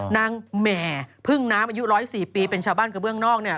แหม่พึ่งน้ำอายุ๑๐๔ปีเป็นชาวบ้านกระเบื้องนอกเนี่ย